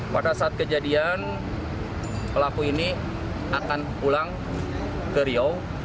pada saat kejadian pelaku ini akan pulang ke riau